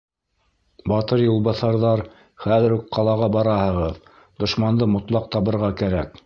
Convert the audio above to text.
Батыр юлбаҫарҙар, хәҙер үк ҡалаға бараһығыҙ, дошманды мотлаҡ табырға кәрәк!